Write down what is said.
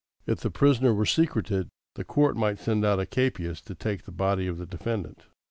If the prisoner were secreted, the court might send out a capias to take the body of the defendant.